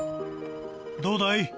どうだい？